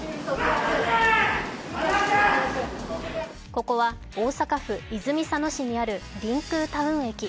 ここは大阪府泉佐野市にあるりんくうタウン駅。